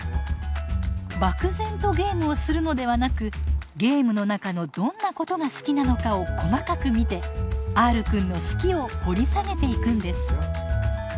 漠然とゲームをするのではなくゲームの中のどんなことが好きなのかを細かく見てＲくんの「好き」を掘り下げていくんです。